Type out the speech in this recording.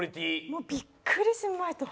もうびっくりしました。